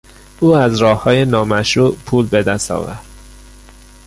او از راههای نامشروع پول به دست آورد.